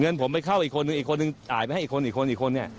เงินผมไปเข้าอีกคนนึงอีกคนนึงจ่ายไปให้อีกคนอีกคนอีกคนเนี่ย